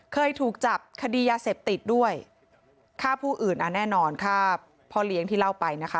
เคยถูกจับคดียาเสพติดด้วยฆ่าผู้อื่นอ่ะแน่นอนฆ่าพ่อเลี้ยงที่เล่าไปนะคะ